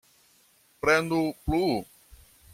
Prenu plu.